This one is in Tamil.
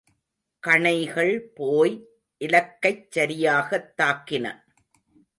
கணைகள் போய் இலக்கைச் சரியாகத் தாக்கின.